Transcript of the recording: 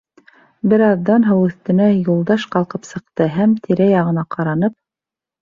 Бер аҙҙан һыу өҫтөнә Юлдаш ҡалҡып сыҡты һәм, тирә-яғына ҡаранып: